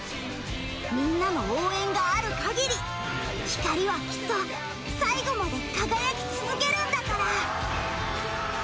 みんなの応援があるかぎり光はきっと最後まで輝き続けるんだから！